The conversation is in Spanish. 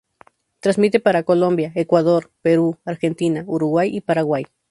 Transmite para Colombia, Ecuador, Perú, Argentina, Uruguay y Paraguay.